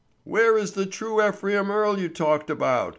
"Where is the true Ephraim Earle you talked about?